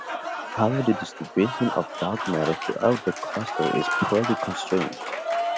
However, the distribution of dark matter throughout the cluster is poorly constrained.